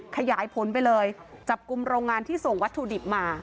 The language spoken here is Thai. ขยายผลไปเลยจับกลุ่มโรงงานที่ส่งวัตถุดิบมา